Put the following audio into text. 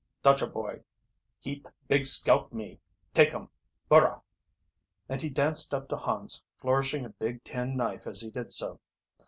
"Dutcha boy heap big scalp me take um! Burra!" And he danced up to Hans, flourishing a big tin knife as he did so.